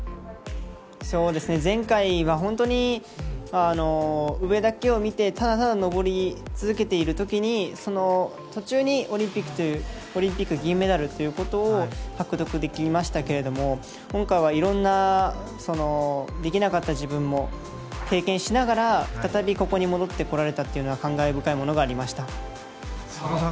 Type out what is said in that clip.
前回は上だけを見てただただ上り続けているときにその途中にオリンピックというオリンピック銀メダルということを獲得できましたけども今回はいろんな、できなかった自分も経験しながら再び、ここに戻ってこられたということは感慨深いものがありました。